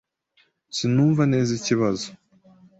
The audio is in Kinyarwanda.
Sinumva neza ikibazo.